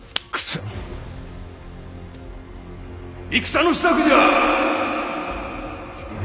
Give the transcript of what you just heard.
戦の支度じゃ！